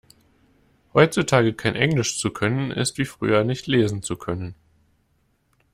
Heutzutage kein Englisch zu können ist wie früher nicht lesen zu können.